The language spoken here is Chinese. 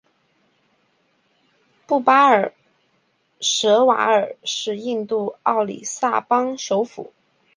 布巴内什瓦尔是印度奥里萨邦首府。